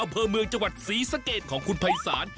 อ่าเภอะเมืองจังหวัดสีสะเกดของคุณไพรสาร